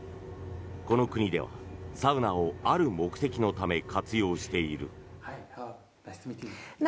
この国では、サウナをある目的のため活用している。